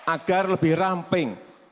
agar lebih ramping